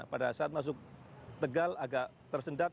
pada saat masuk tegal agak tersendat